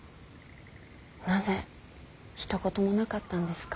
なぜひと言もなかったんですか。